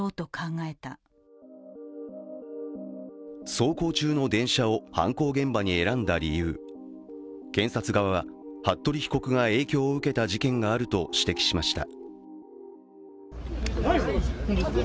走行中の電車を犯行現場に選んだ理由、検察側は、服部被告が影響を受けた事件があると指摘しました。